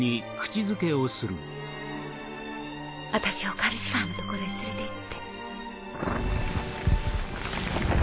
私をカルシファーの所へ連れて行って。